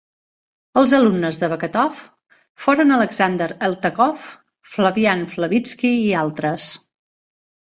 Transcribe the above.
Els alumnes de Beketov foren Alexander Eltekov, Flavian Flavitsky i altres.